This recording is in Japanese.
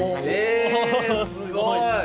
えすごい。